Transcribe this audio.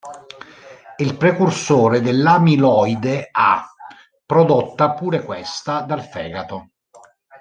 È il precursore dell'amiloide A, prodotta pure questa dal fegato.